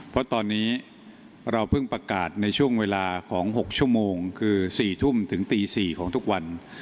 เพราะตอนนี้เราเพิ่งประกาศในช่วงเวลาของ๖ชั่วโมงคือ๔ทุ่มถึงตี๔ของทุกวัน